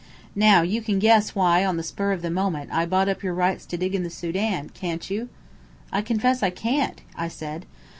Now, you can guess why on the spur of the moment I bought up your rights to dig in the Sudan, can't you?" "I confess I can't," I said.